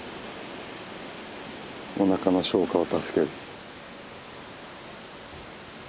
おなかの消化を助ける。